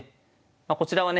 こちらはね